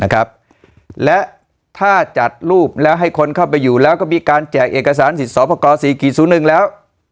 นะครับและถ้าจัดรูปแล้วให้คนเข้าไปอยู่แล้วก็มีการแจกเอกสารสิทธิ์สอบประกอบสี่ขีดศูนย์หนึ่งแล้ว